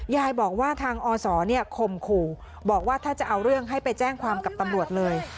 ยายบอกว่าทางอศข่มขู่บอกว่าถ้าจะเอาเรื่องให้ไปแจ้งความกับตำรวจเลย